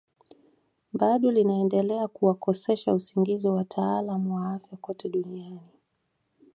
Bado linaendelea kuwakosesha usingizi wataalamu wa afya kote duniani